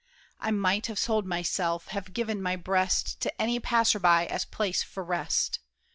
I might have sold myself, have given my breast To any passer by, as place for rest.